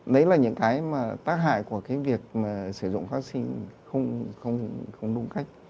đấy là những cái mà tác hại của cái việc sử dụng kháng sinh không đúng cách